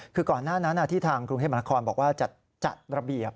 คือก่อนหน้านั้นที่ทางกรุงเทพมนาคอนบอกว่าจัดระเบียบ